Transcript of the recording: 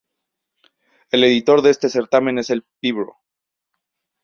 El editor de este certamen es el Pbro.